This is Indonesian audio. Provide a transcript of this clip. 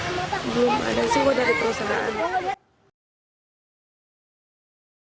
belum ada sih gue dari perusahaan